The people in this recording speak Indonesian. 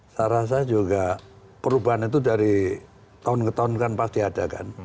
saya rasa juga perubahan itu dari tahun ke tahun kan pasti ada kan